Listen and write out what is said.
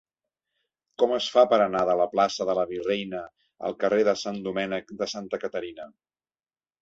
Com es fa per anar de la plaça de la Virreina al carrer de Sant Domènec de Santa Caterina?